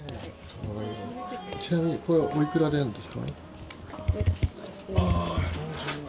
ちなみにこれおいくらなんですか。